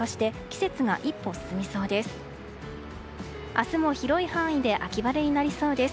明日も広い範囲で秋晴れになりそうです。